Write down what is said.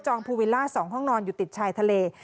ภูวิลล่า๒ห้องนอนอยู่ติดชายทะเล